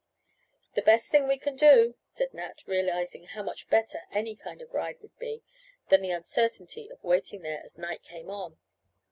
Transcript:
"The best thing we can do," said Nat, realizing how much better any kind of ride would be than the uncertainty of waiting there as night came on.